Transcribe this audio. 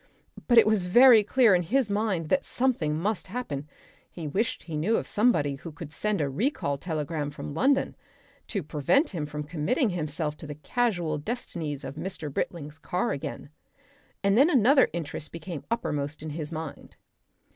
But it was very clear in his mind that something must happen; he wished he knew of somebody who could send a recall telegram from London, to prevent him committing himself to the casual destinies of Mr. Britling's car again. And then another interest became uppermost in his mind.